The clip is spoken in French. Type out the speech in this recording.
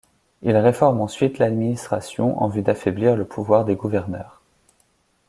Il réforme ensuite l’administration en vue d’affaiblir le pouvoir des gouverneurs.